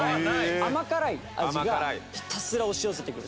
甘辛い味がひたすら押し寄せてくる。